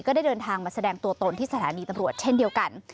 ได้เดินทางมาแสดงตัวตนที่สถานีตำรวจเช่นเดียวกัน